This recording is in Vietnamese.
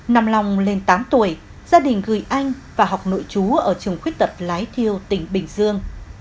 năm long lên tám tuổi gia đình gửi anh và học nội chú ở trường khuyết tật lái thiêu tỉnh bình dương